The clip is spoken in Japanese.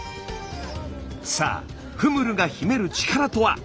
さあフムルが秘める力とは？